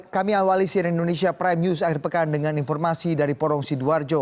kami awali siren indonesia prime news akhir pekan dengan informasi dari porong sidoarjo